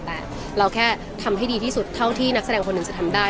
แต่เราแค่ทำให้ดีที่สุดเท่าที่นักแสดงคนหนึ่งจะทำได้